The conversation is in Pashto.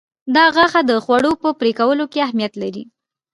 دا غاښه د خوړو په پرې کولو کې اهمیت لري.